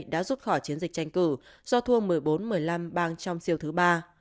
đã rút khỏi chiến dịch tranh cử do thua một mươi bốn một mươi năm bang trong siêu thứ ba